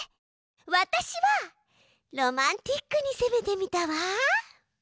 私はロマンティックにせめてみたわ。